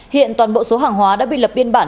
hiện toàn bộ số hàng hóa đã bị lập biên bản